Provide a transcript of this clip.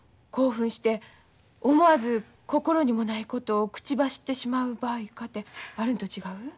興奮して思わず心にもないことを口走ってしまう場合かてあるんと違う？